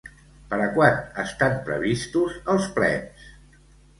Per a quan estan previstos els plens?